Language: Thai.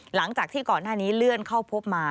หลังจากที่ก่อนหน้านี้เลื่อนเข้าพบมา